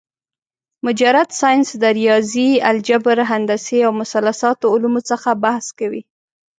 مجرد ساينس د رياضي ، الجبر ، هندسې او مثلثاتو علومو څخه بحث کوي